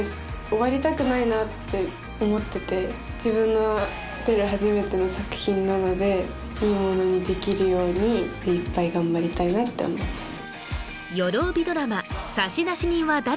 終わりたくないなって思ってて自分の出る初めての作品なのでいいものにできるようにめいっぱい頑張りたいなって思います